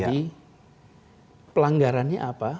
jadi pelanggarannya apa